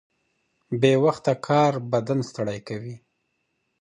بې وخته کار بدن ستړی کوي.